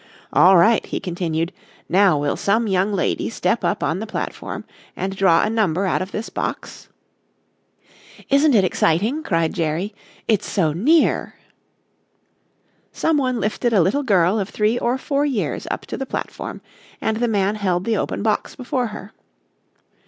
"All right," he continued. "Now will some young lady step up on the platform and draw a number out of this box?" "Isn't it exciting," cried Jerry. "It's so near." Some one lifted a little girl of three or four years up to the platform and the man held the open box before her.